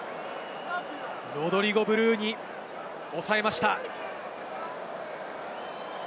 ロドリゴ・ブルーニ、おさえました。